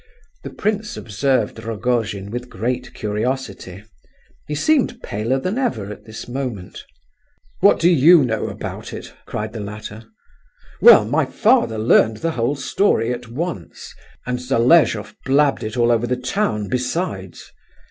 The prince observed Rogojin with great curiosity; he seemed paler than ever at this moment. "What do you know about it?" cried the latter. "Well, my father learned the whole story at once, and Zaleshoff blabbed it all over the town besides.